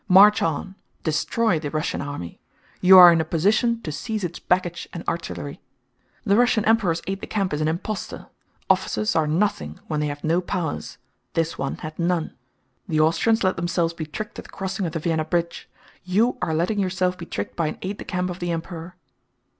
March on, destroy the Russian army.... You are in a position to seize its baggage and artillery. The Russian Emperor's aide de camp is an impostor. Officers are nothing when they have no powers; this one had none.... The Austrians let themselves be tricked at the crossing of the Vienna bridge, you are letting yourself be tricked by an aide de camp of the Emperor.